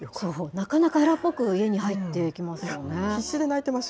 なかなか荒っぽく家に入っていきますよね。